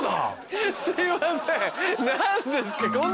すいません。